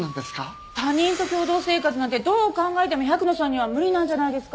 他人と共同生活なんてどう考えても百野さんには無理なんじゃないですか？